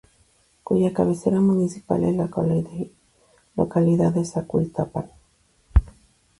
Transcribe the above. Cuya cabecera municipal es la localidad de Zacualtipán.